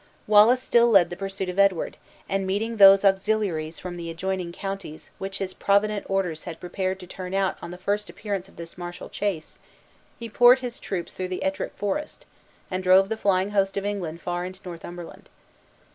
Wallace still led the pursuit of Edward, and meeting those auxiliaries from the adjoining counties, which his provident orders had prepared to turn out on the first appearance of this martial chase; he poured his troops through Ettrick Forest, and drove the flying host of England far into Northumberland.